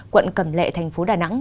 quận cầm lệ thành phố đà nẵng